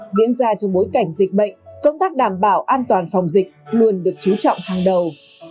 diễn ra trong bối cảnh dịch bệnh công tác đảm bảo an toàn phòng dịch luôn được chú trọng hàng đầu